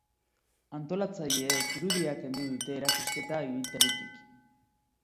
Antolatzaileek irudia kendu dute erakusketa ibiltaritik.